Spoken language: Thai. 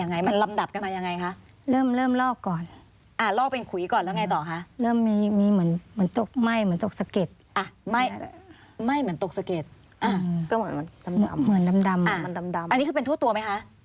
อันนี้คือเป็นทั่วตัวไหมคะ